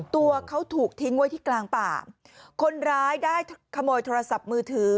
ตัวเขาถูกทิ้งไว้ที่กลางป่าคนร้ายได้ขโมยโทรศัพท์มือถือ